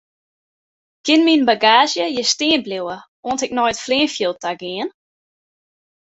Kin myn bagaazje hjir stean bliuwe oant ik nei it fleanfjild ta gean?